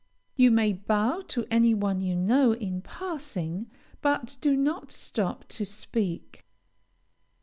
You may bow to any one you know, in passing, but do not stop to speak.